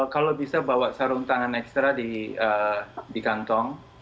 kalau bisa bawa sarung tangan ekstra di kantong